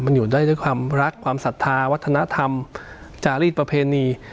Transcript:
มันอยู่ได้ด้วยความรักความศรัทธาวัฒนธรรมจารีสประเพณี